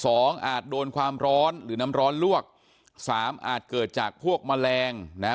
อาจโดนความร้อนหรือน้ำร้อนลวกสามอาจเกิดจากพวกแมลงนะ